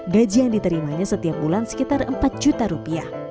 gaji yang diterimanya setiap bulan sekitar empat juta rupiah